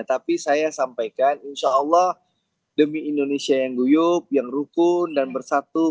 tapi saya sampaikan insya allah demi indonesia yang guyup yang rukun dan bersatu